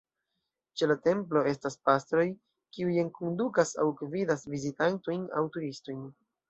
Ĉe la templo estas pastroj, kiuj enkondukas aŭ gvidas vizitantojn aŭ turistojn.